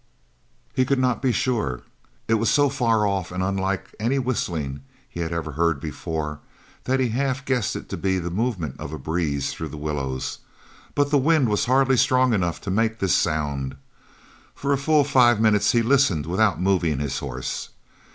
He could not be sure. It was so far off and unlike any whistling he had ever heard before, that he half guessed it to be the movement of a breeze through the willows, but the wind was hardly strong enough to make this sound. For a full five minutes he listened without moving his horse.